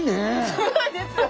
そうなんですよ！